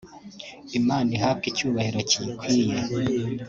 Imana ihabwe icyubahiro kiyikwiye